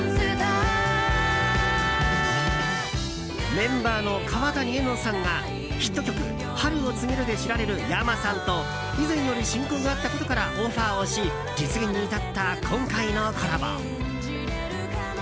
メンバーの川谷絵音さんがヒット曲「春を告げる」で知られるｙａｍａさんと以前より親交があったことからオファーをし実現に至った今回のコラボ。